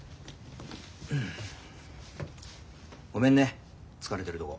ごめんね疲れてるとこ。